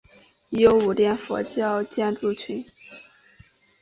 已有五殿的佛教建筑群。